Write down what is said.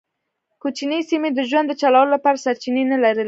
کوچنۍ سیمې د ژوند د چلولو لپاره سرچینې نه لرلې.